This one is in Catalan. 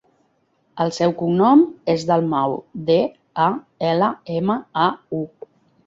El seu cognom és Dalmau: de, a, ela, ema, a, u.